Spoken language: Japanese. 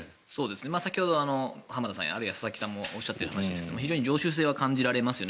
先ほど浜田さんあるいは佐々木さんもおっしゃった話ですが非常に常習性は感じられますよね。